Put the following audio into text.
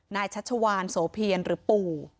ชัชวานโสเพียรหรือปู่